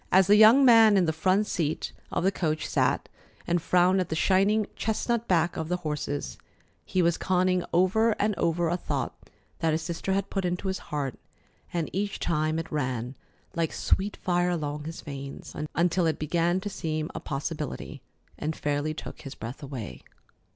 As the young man in the front seat of the coach sat and frowned at the shining chestnut backs of the horses, he was conning over and over a thought that his sister had put into his heart, and each time it ran like sweet fire along his veins, until it began to seem a possibility, and fairly took his breath away.